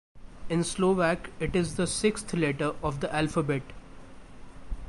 In Slovak it is sixth letter of the alphabet.